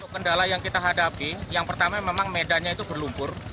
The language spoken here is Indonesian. kendala yang kita hadapi yang pertama memang medannya itu berlumpur